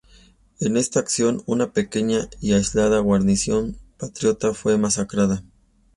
En esta acción, una pequeña y aislada guarnición patriota fue masacrada.